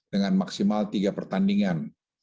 dengan maksimal tiga pertandingan